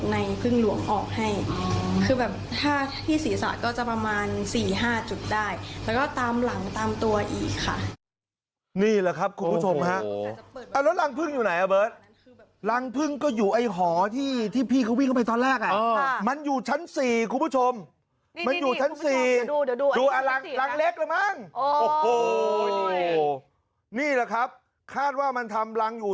ชั้น๔หรอพี่เบิ๊ดแปลว่าควันของหมูปิ้งเตาของหมูปิ้งมันลอย